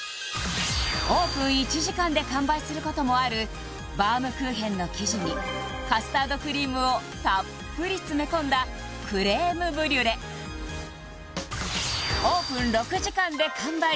オープン１時間で完売することもあるバウムクーヘンの生地にカスタードクリームをたっぷり詰め込んだクレームブリュレオープン６時間で完売